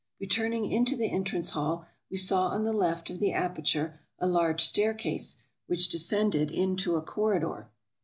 Returning into the Entrance Hall, we saw on the left of the aperture a large staircase, which descended into a cor ridor.